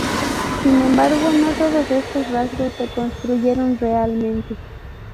Sin embargo, no todos de estos rasgos se construyeron realmente.